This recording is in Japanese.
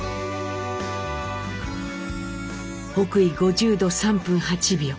北緯５０度３分８秒。